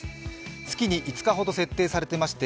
月に５日ほど設定されていまして